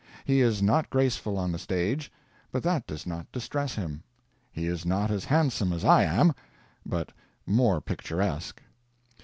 He is not graceful on the stage, but that does not distress him. He is not as handsome as I am, but more picturesque.